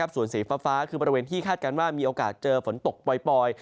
ส่วนสีฟ้าคือบริเวณที่คาดการณ์ว่ามีโอกาสเจอฝนตกปล่อย